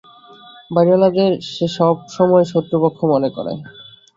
বাড়িঅলাদের সে সব সময় শত্রুপক্ষ মনে করে।